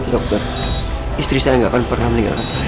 dokter istri saya gak akan pernah meninggalkan sayang